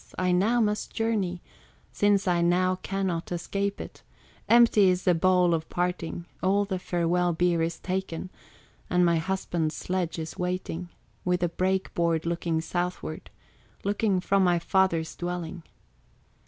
I now must journey, Since I now cannot escape it; Empty is the bowl of parting, All the farewell beer is taken, And my husband's sledge is waiting, With the break board looking southward, Looking from my father's dwelling.